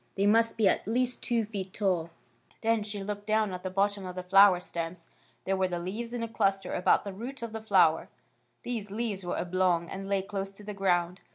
They must be at least two feet tall." Then she looked down at the bottom of the flower stems. There were the leaves in a clus ter about the root of the flower. These leaves were oblong, and lay close to the ground.